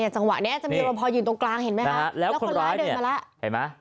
สังหวะนี้อาจจะมีรอบพออยู่ตรงกลางเห็นไหมแล้วคนร้ายเดินมาแล้ว